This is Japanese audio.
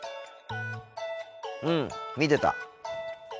うん見てた。